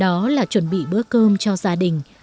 đó là chuẩn bị bữa cơm cho gia đình